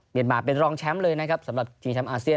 มาเป็นรองแชมป์เลยนะครับสำหรับชิงแชมป์อาเซียน